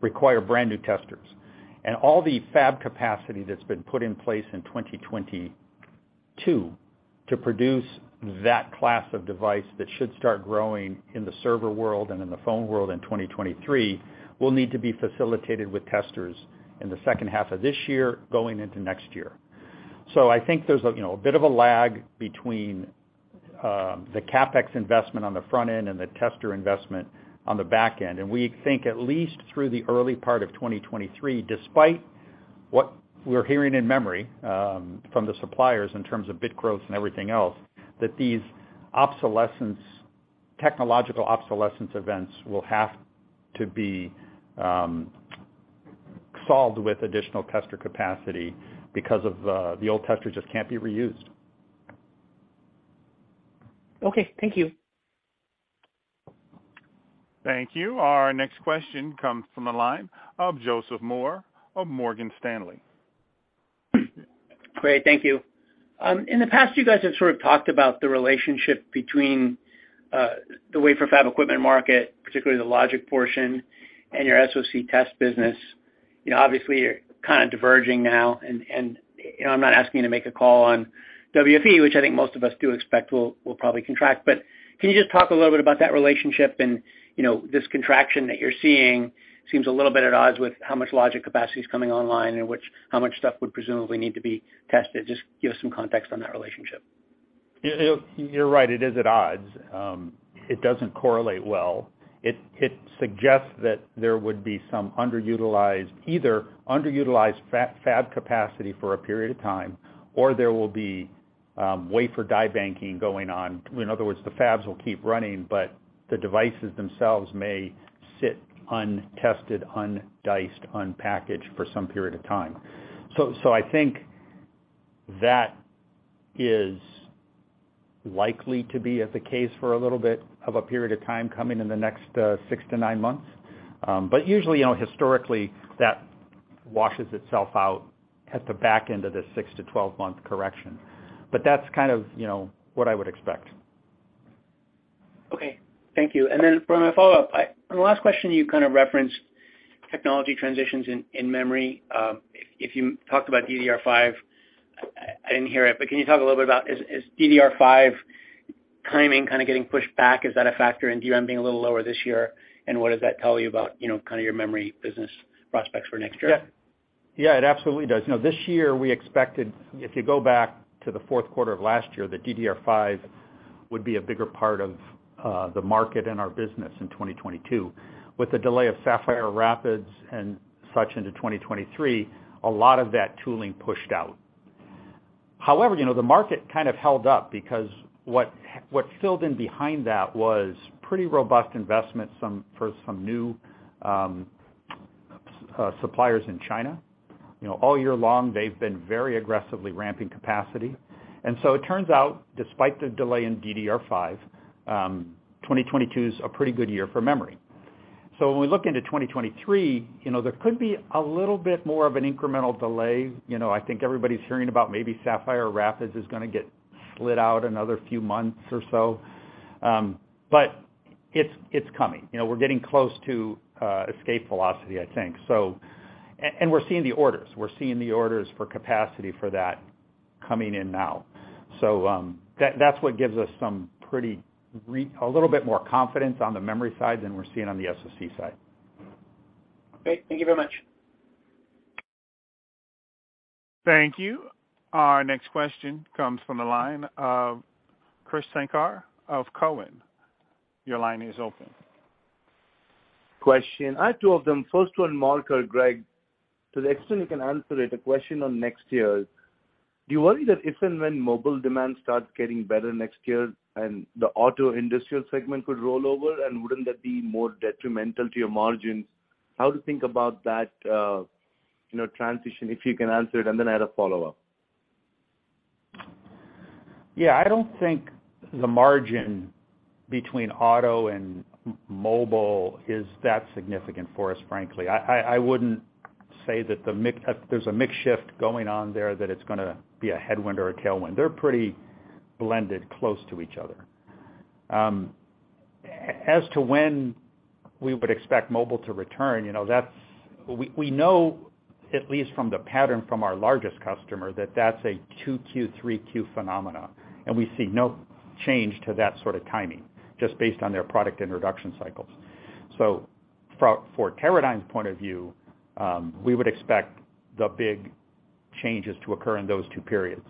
require brand new testers. All the fab capacity that's been put in place in 2022 to produce that class of device that should start growing in the server world and in the phone world in 2023 will need to be facilitated with testers in the second half of this year going into next year. I think there's a you know a bit of a lag between the CapEx investment on the front end and the tester investment on the back end. We think at least through the early part of 2023, despite what we're hearing in memory from the suppliers in terms of bit growth and everything else, that these obsolescence, technological obsolescence events will have to be solved with additional tester capacity because of the old tester just can't be reused. Okay. Thank you. Thank you. Our next question comes from the line of Joseph Moore of Morgan Stanley. Great. Thank you. In the past, you guys have sort of talked about the relationship between the wafer fab equipment market, particularly the logic portion, and your SoC test business. You know, obviously you're kind of diverging now and you know, I'm not asking you to make a call on WFE, which I think most of us do expect will probably contract, but can you just talk a little bit about that relationship? You know, this contraction that you're seeing seems a little bit at odds with how much logic capacity is coming online and how much stuff would presumably need to be tested. Just give us some context on that relationship. You're right. It is at odds. It doesn't correlate well. It suggests that there would be some underutilized fab capacity for a period of time or there will be wafer die banking going on. In other words, the fabs will keep running, but the devices themselves may sit untested, undiced, unpackaged for some period of time. I think that is likely to be the case for a little bit of a period of time coming in the next six to nine months. Usually, you know, historically that washes itself out at the back end of the six to 12 month correction. That's kind of, you know, what I would expect. Okay. Thank you. Then for my follow-up, on the last question, you kind of referenced technology transitions in memory. If you talked about DDR5. I didn't hear it, but can you talk a little bit about is DDR5 timing kind of getting pushed back? Is that a factor in DRAM being a little lower this year? What does that tell you about, you know, kind of your memory business prospects for next year? Yeah. Yeah, it absolutely does. You know, this year we expected, if you go back to the fourth quarter of last year, the DDR5 would be a bigger part of the market and our business in 2022. With the delay of Sapphire Rapids and such into 2023, a lot of that tooling pushed out. However, you know, the market kind of held up because what filled in behind that was pretty robust investment, some for new suppliers in China. You know, all year long, they've been very aggressively ramping capacity. It turns out, despite the delay in DDR5, 2022 is a pretty good year for memory. When we look into 2023, you know, there could be a little bit more of an incremental delay. You know, I think everybody's hearing about maybe Sapphire Rapids is gonna get slid out another few months or so. It's coming. You know, we're getting close to escape velocity, I think. We're seeing the orders for capacity for that coming in now. That's what gives us a little bit more confidence on the memory side than we're seeing on the SoC side. Great. Thank you very much. Thank you. Our next question comes from the line of Krish Sankar of Cowen. Your line is open. Question. I have two of them. First one, Mark or Greg, to the extent you can answer it, a question on next year. Do you worry that if and when mobile demand starts getting better next year and the auto industrial segment could roll over, and wouldn't that be more detrimental to your margins? How to think about that, you know, transition, if you can answer it, and then I had a follow-up. Yeah. I don't think the margin between auto and mobile is that significant for us, frankly. I wouldn't say that the mix, if there's a mix shift going on there, that it's gonna be a headwind or a tailwind. They're pretty blended close to each other. As to when we would expect mobile to return, you know, that's. We know, at least from the pattern from our largest customer, that that's a 2Q, 3Q phenomena, and we see no change to that sort of timing, just based on their product introduction cycles. For Teradyne's point of view, we would expect the big changes to occur in those two periods.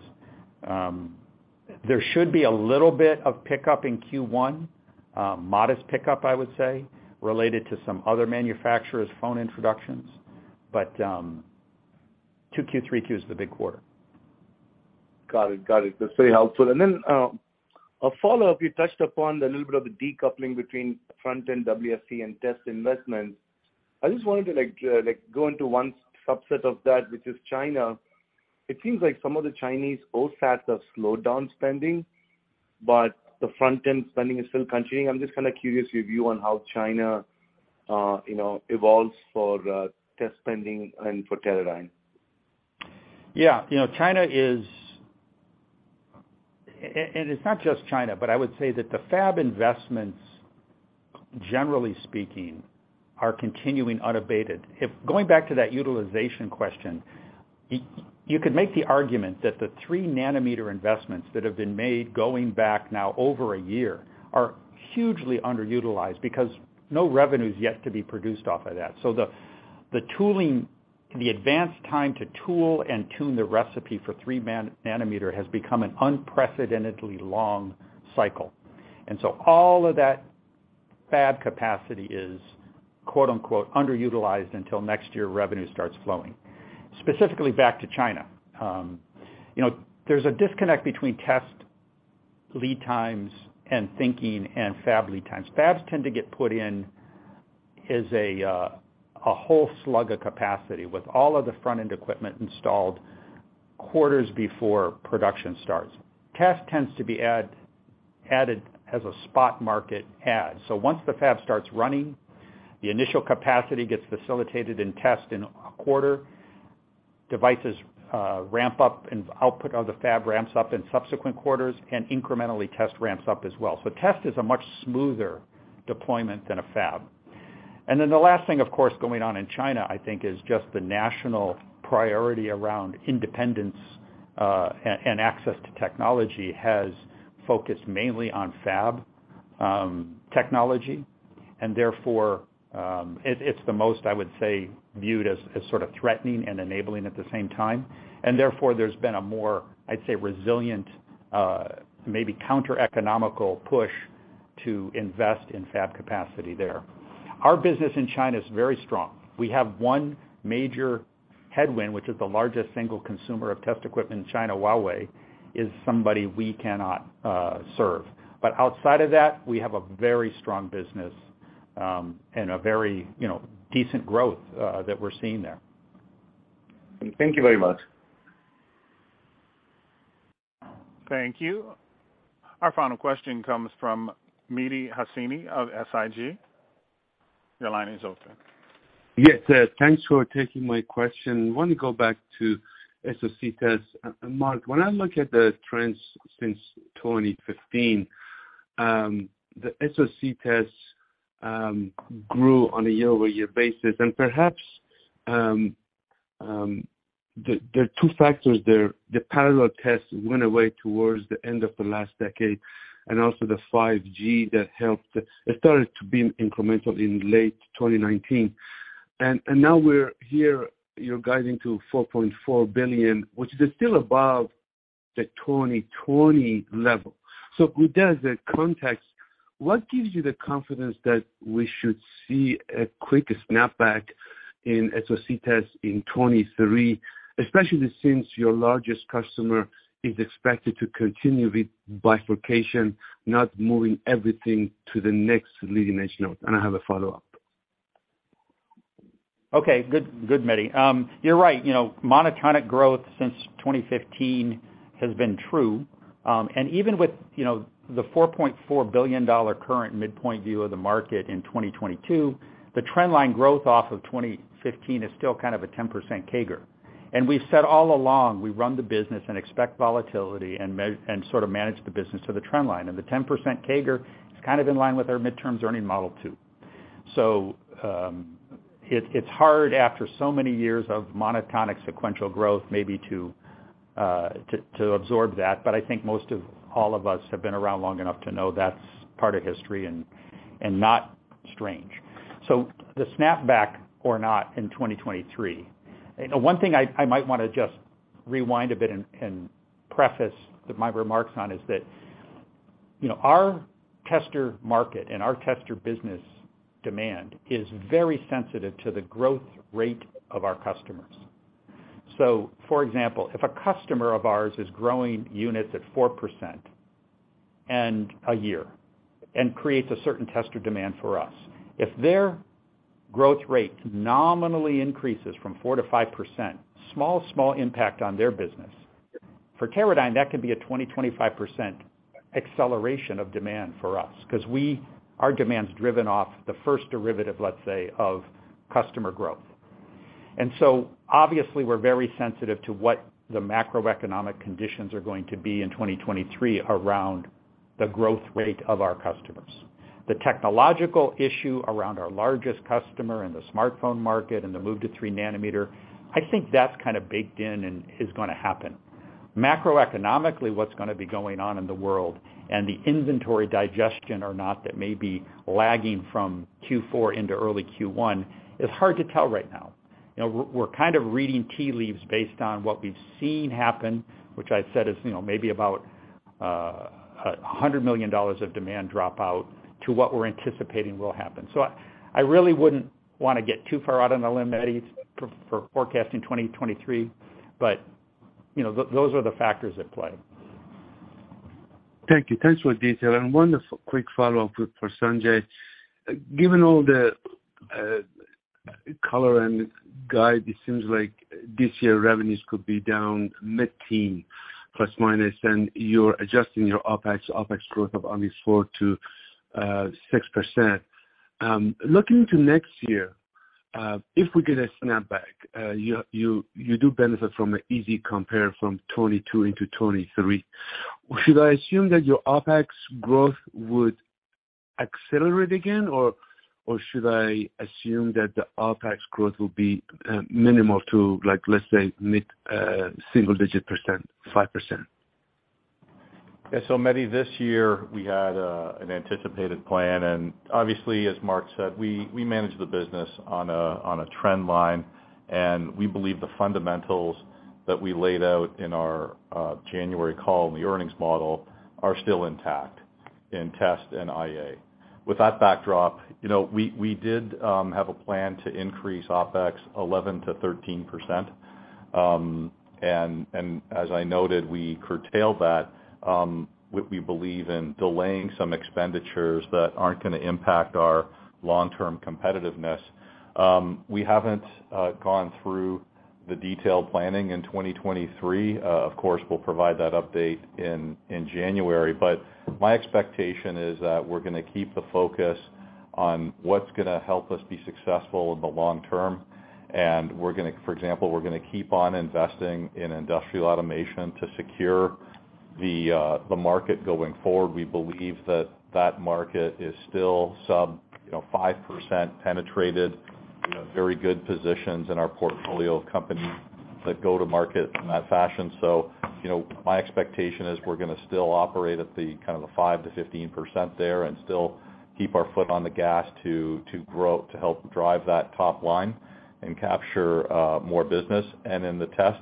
There should be a little bit of pickup in Q1, modest pickup, I would say, related to some other manufacturers' phone introductions, but 2Q, 3Q is the big quarter. Got it. That's very helpful. Then a follow-up, you touched upon the little bit of the decoupling between front-end WFE and test investments. I just wanted to like go into one subset of that, which is China. It seems like some of the Chinese OSATs have slowed down spending, but the front-end spending is still continuing. I'm just kinda curious your view on how China, you know, evolves for test spending and for Teradyne. Yeah. You know, China is and it's not just China, but I would say that the fab investments, generally speaking, are continuing unabated. Going back to that utilization question, you could make the argument that the 3 nm investments that have been made going back now over a year are hugely underutilized because no revenue is yet to be produced off of that. So the tooling, the advanced time to tool and tune the recipe for 3 nm has become an unprecedentedly long cycle. All of that fab capacity is, quote-unquote, "underutilized" until next year revenue starts flowing. Specifically back to China, there's a disconnect between test lead times and thinking and fab lead times. Fabs tend to get put in as a whole slug of capacity, with all of the front-end equipment installed quarters before production starts. Test tends to be added as a spot market add. Once the fab starts running, the initial capacity gets facilitated in test in a quarter. Devices ramp up and output of the fab ramps up in subsequent quarters, and incrementally, test ramps up as well. Test is a much smoother deployment than a fab. The last thing, of course, going on in China, I think, is just the national priority around independence and access to technology has focused mainly on fab technology. It's the most, I would say, viewed as sort of threatening and enabling at the same time. There's been a more, I'd say, resilient maybe counter-economical push to invest in fab capacity there. Our business in China is very strong. We have one major headwind, which is the largest single consumer of test equipment in China, Huawei, is somebody we cannot serve. Outside of that, we have a very strong business, and a very, you know, decent growth, that we're seeing there. Thank you very much. Thank you. Our final question comes from Mehdi Hosseini of SIG. Your line is open. Yes. Thanks for taking my question. I want to go back to SoC test. Mark, when I look at the trends since 2015, the SoC test, grew on a year-over-year basis. Perhaps the two factors there, the parallel tests went away towards the end of the last decade, and also the 5G that helped. It started to be incremental in late 2019. Now we're here, you're guiding to $4.4 billion, which is still above the 2020 level. With that as context, what gives you the confidence that we should see a quick snapback in SoC test in 2023, especially since your largest customer is expected to continue with bifurcation, not moving everything to the next leading edge node? I have a follow-up. Okay. Good, Mehdi. You're right, you know, monotonic growth since 2015 has been true. Even with, you know, the $4.4 billion current midpoint view of the market in 2022, the trend line growth off of 2015 is still kind of a 10% CAGR. We've said all along, we run the business and expect volatility and sort of manage the business to the trend line. The 10% CAGR is kind of in line with our mid-term earnings model too. It's hard after so many years of monotonic sequential growth maybe to absorb that, but I think most of all of us have been around long enough to know that's part of history and not strange. The snapback or not in 2023. You know, one thing I might wanna just rewind a bit and preface my remarks on is that, you know, our tester market and our tester business demand is very sensitive to the growth rate of our customers. For example, if a customer of ours is growing units at 4% a year and creates a certain tester demand for us, if their growth rate nominally increases from 4%-5%, small impact on their business. For Teradyne, that can be a 20%-25% acceleration of demand for us. Because our demand's driven off the first derivative, let's say, of customer growth. Obviously we're very sensitive to what the macroeconomic conditions are going to be in 2023 around the growth rate of our customers. The technological issue around our largest customer in the smartphone market and the move to 3 nm, I think that's kind of baked in and is gonna happen. Macroeconomically, what's gonna be going on in the world and the inventory digestion or not that may be lagging from Q4 into early Q1 is hard to tell right now. You know, we're kind of reading tea leaves based on what we've seen happen, which I've said is, you know, maybe about $100 million of demand dropout to what we're anticipating will happen. I really wouldn't wanna get too far out on a limb, Mehdi, for forecasting 2023, but, you know, those are the factors at play. Thank you. Thanks for the detail. One quick follow-up for Sanjay. Given all the color and guidance, it seems like this year revenues could be down mid-teens ±, and you're adjusting your OpEx growth of only 4%-6%. Looking to next year, if we get a snapback, you do benefit from an easy compare from 2022 into 2023. Should I assume that your OpEx growth would accelerate again, or should I assume that the OpEx growth will be minimal to, like, let's say, mid single-digit%, 5%? Yeah. Mehdi, this year we had an anticipated plan, and obviously, as Mark said, we manage the business on a trend line, and we believe the fundamentals that we laid out in our January call and the earnings model are still intact in test and IA. With that backdrop, you know, we did have a plan to increase OpEx 11%-13%. As I noted, we curtailed that. We believe in delaying some expenditures that aren't gonna impact our long-term competitiveness. We haven't gone through the detailed planning in 2023. Of course, we'll provide that update in January. My expectation is that we're gonna keep the focus on what's gonna help us be successful in the long term, and we're gonna for example, we're gonna keep on investing in industrial automation to secure the market going forward. We believe that market is still sub, you know, 5% penetrated. We have very good positions in our portfolio of companies that go to market in that fashion. You know, my expectation is we're gonna still operate at the kind of the 5%-15% there and still keep our foot on the gas to grow, to help drive that top line and capture more business. In the test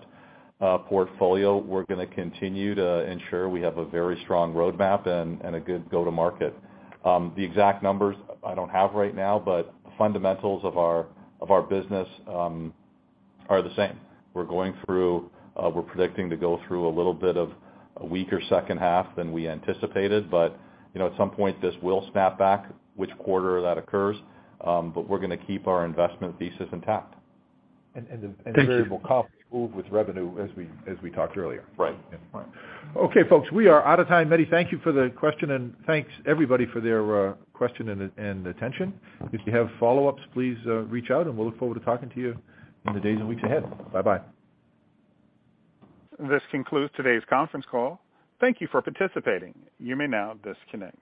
portfolio, we're gonna continue to ensure we have a very strong roadmap and a good go-to-market. The exact numbers I don't have right now, but the fundamentals of our business are the same. We're predicting to go through a little bit of a weaker second half than we anticipated, but you know, at some point, this will snap back which quarter that occurs. We're gonna keep our investment thesis intact. And, and the- Thank you. Variable costs move with revenue as we talked earlier. Right. Yeah. Fine. Okay, folks, we are out of time. Mehdi, thank you for the question, and thanks everybody for their question and attention. If you have follow-ups, please reach out, and we'll look forward to talking to you in the days and weeks ahead. Bye-bye. This concludes today's conference call. Thank you for participating. You may now disconnect.